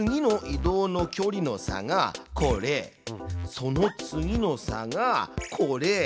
その次の差がこれ。